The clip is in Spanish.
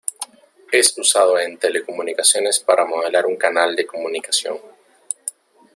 Es usado en telecomunicaciones para modelar un canal de comunicación.